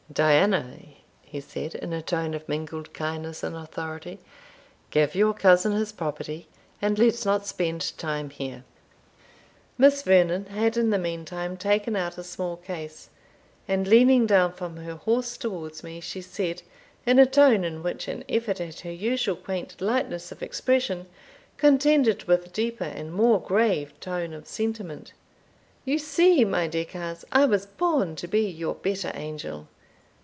"Diana," he said, in a tone of mingled kindness and authority, "give your cousin his property, and let us not spend time here." Miss Vernon had in the meantime taken out a small case, and leaning down from her horse towards me, she said, in a tone in which an effort at her usual quaint lightness of expression contended with a deeper and more grave tone of sentiment, "You see, my dear coz, I was born to be your better angel.